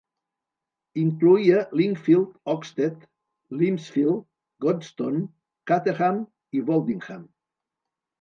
Incloïa Lingfield, Oxted, Limpsfield, Godstone, Caterham i Woldingham.